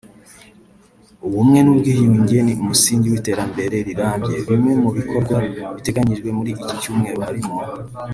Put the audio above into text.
“Ubumwe n’Ubwiyunge ni Umusingi w’Iterambere rirambye” Bimwe mu bikorwa biteganyijwe muri iki cyumweru harimo